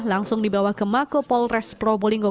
langsung dibawa ke mako polres probolinggo